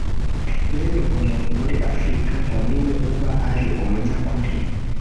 bene uwo muntu muri Afurika ngo niwe uba ari umunyakuri